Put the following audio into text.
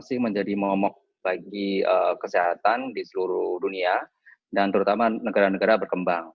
masih menjadi momok bagi kesehatan di seluruh dunia dan terutama negara negara berkembang